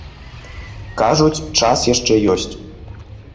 Кажуць, час яшчэ ёсць.